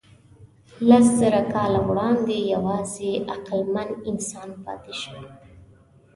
لسزره کاله وړاندې یواځې عقلمن انسان پاتې شو.